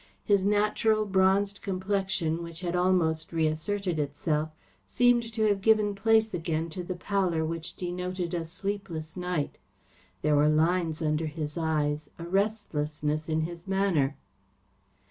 His natural, bronzed complexion which had almost reasserted itself, seemed to have given place again to the pallor which denoted a sleepless night. There were lines under his eyes, a restlessness in his manner.